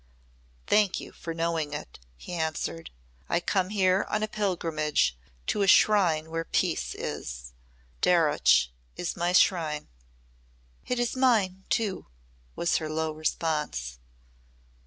"Thank you for knowing it," he answered. "I come here on a pilgrimage to a shrine where peace is. Darreuch is my shrine." "It is mine, too," was her low response.